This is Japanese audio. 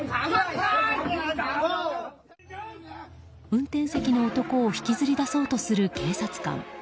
運転席の男を引きずり出そうとする警察官。